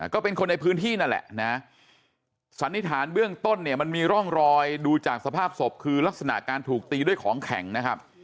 ก็เป็นคนในพื้นที่นั่นแหละนะสันนิษฐานเบื้องต้นเนี่ยมันมีร่องรอยดูจากสภาพศพคือลักษณะการถูกตีด้วยของแข็งนะครับ